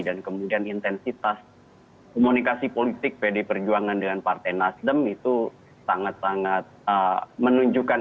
dan kemudian intensitas komunikasi politik pd perjuangan dengan partai nasdem itu sangat sangat menunjukkan